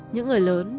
những người lớn